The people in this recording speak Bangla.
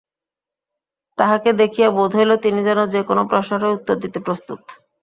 তাঁহাকে দেখিয়া বোধ হইল, তিনি যেন যে-কোন প্রশ্নেরই উত্তর দিতে প্রস্তুত।